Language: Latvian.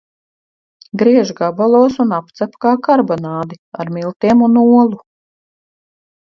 Griež gabalos un apcep kā karbonādi ar miltiem un olu.